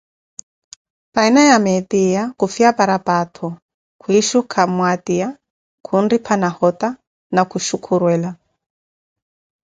Payina ya meetiya khufiya paraphato, kwishuka mmwatiya, khunripha nahota na kushukurwela.